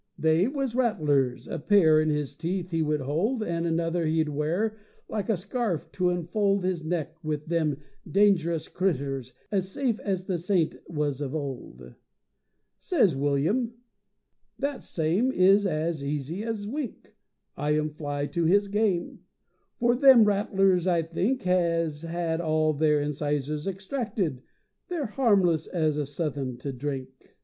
They was rattlers; a pair In his teeth he would hold, And another he'd wear Like a scarf to enfold His neck, with them dangerous critters as safe as the saint was of old. Sez William, "That same Is as easy as wink. I am fly to his game; For them rattlers, I think, Has had all their incisors extracted. They're harmless as suthin' to drink."